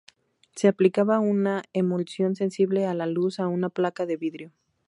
Se aplicaba una emulsión sensible a la luz a una placa de vidrio.